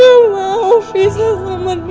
aku gak mau pisah sama nino